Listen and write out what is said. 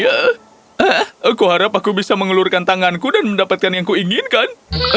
aku harap aku bisa mengelurkan tanganku dan mendapatkan yang kuinginkan